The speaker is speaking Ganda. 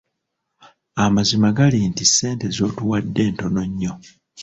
Amazima gali nti ssente z'otuwadde ntono nnyo.